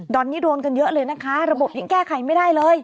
ตอนนี้โดนกันเยอะเลยนะคะระบบยังแก้ไขไม่ได้เลย